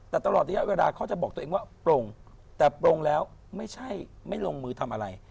แต่ตลอดระยะเวลาเขาจะบอกตัวเองว่าปลงแต่ปลงแล้วไม่ใช่ไม่ลงมือทำอะไร